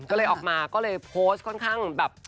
ก็เลยออกมาก็เลยโพสต์ค่อนข้างแบบ